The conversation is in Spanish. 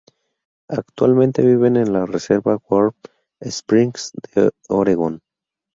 Actualmente viven en la reserva Warm Springs de Oregón.